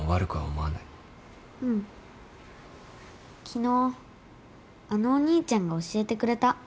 昨日あのお兄ちゃんが教えてくれた。